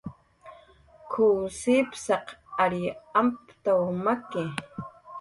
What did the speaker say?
"K""uw sipsaq ariy amptaw maki"